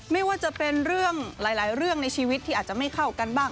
ไม่ว่าจะเป็นเรื่องหลายเรื่องในชีวิตที่อาจจะไม่เข้ากันบ้าง